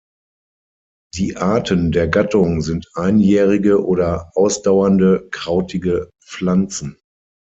Die Arten der Gattung sind einjährige oder ausdauernde krautige Pflanzen.